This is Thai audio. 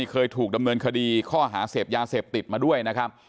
เคยถูกดำเนินคดีข้อหาเสพยาเสพติดมาด้วยนะครับ